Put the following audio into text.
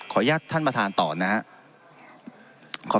อนุญาตท่านประธานต่อนะครับ